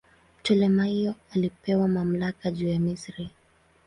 Ptolemaio alipewa mamlaka juu ya Misri.